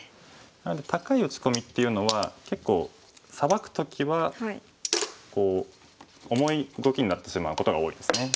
なので高い打ち込みっていうのは結構サバく時は重い動きになってしまうことが多いですね。